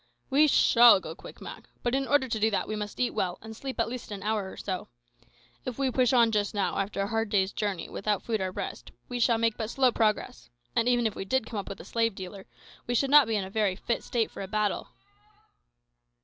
"We shall go quick, Mak. But in order to do that, we must eat well, and sleep at least an hour or so. If we push on just now, after a hard day's journey, without food or rest, we shall make but slow progress; and even if we did come up with the slave dealer, we should not be in a very fit state for a battle."